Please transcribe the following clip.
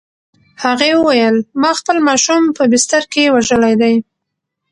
هغې وویل: "ما خپل ماشوم په بستر کې وژلی دی؟"